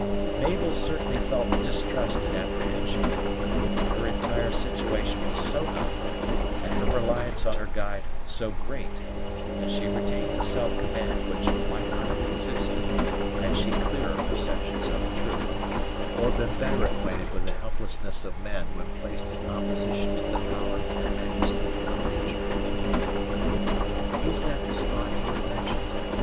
Mabel certainly felt distrust and apprehension; but her entire situation was so novel, and her reliance on her guide so great, that she retained a self command which might not have existed had she clearer perceptions of the truth, or been better acquainted with the helplessness of men when placed in opposition to the power and majesty of Nature. "Is that the spot you have mentioned?"